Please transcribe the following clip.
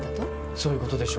そういうことでしょ。